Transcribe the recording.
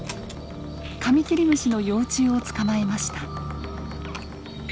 カミキリムシの幼虫を捕まえました。